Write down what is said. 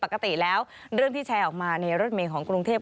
ปกติแล้วเรื่องที่แชร์ออกมาในรถเมย์ของกรุงเทพ